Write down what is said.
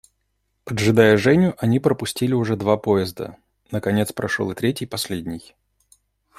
Поджидая Женю, они пропустили уже два поезда, наконец прошел и третий, последний.